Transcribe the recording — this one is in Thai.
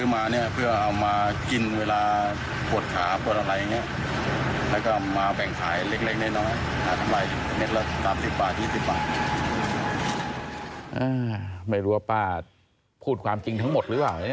ไม่รู้ว่าป้าพูดความจริงทั้งหมดหรือเปล่า